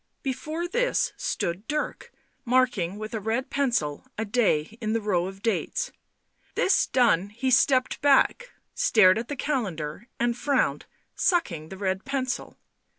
Before this stood Dirk, marking with a red pencil a day in the row of dates. This done he stepped back, stared at the calendar and frowned, sucking the red pencil.